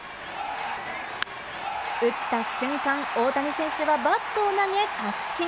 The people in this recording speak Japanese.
打った瞬間、大谷選手はバットを投げ、確信。